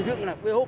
em không biết